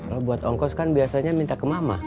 kalau buat ongkos kan biasanya minta ke mama